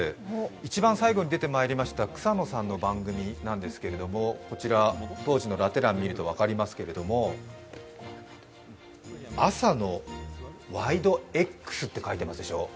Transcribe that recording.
いちばん最後に出てまいりました草野さんの番組なんですけれども、こちら、当時のラテ欄みると分かりますけど「朝のワイドＸ」って書いてますでしょう。